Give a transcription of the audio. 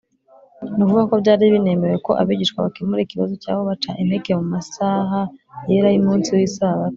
ni ukuvuga ko byari binemewe ko abigishwa bakemura ikibazo cyabo baca impeke mu masaha yera y’umunsi w’isabato